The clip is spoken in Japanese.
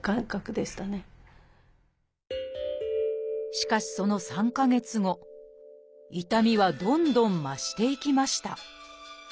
しかしその３か月後痛みはどんどん増していきました